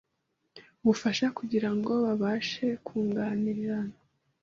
ubufasha kugira ngo babashe kunganirana